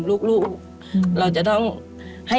ลูกขาดแม่